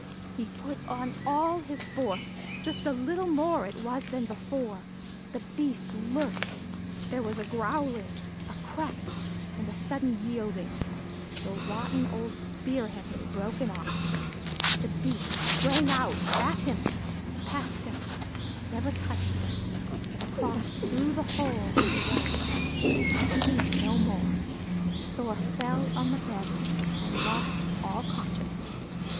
He put on all his force, just a little more it was than before; the Beast lurched, there was a growling, a crack, and a sudden yielding; the rotten old spear head had broken off, the Beast sprang out at him past him never touched him, but across through the hole and away, to be seen no more. Thor fell on the bed and lost all consciousness.